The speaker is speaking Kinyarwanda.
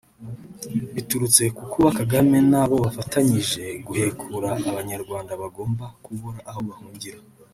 biturutse ku kuba Kagame n’abo bafatanyije guhekura abanyarwanda bagomba kubura aho bahungira